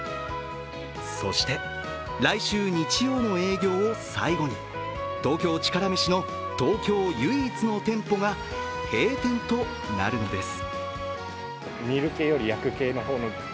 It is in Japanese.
そして来週日曜の営業を最後に東京チカラめしの東京唯一の店舗が閉店となるのです。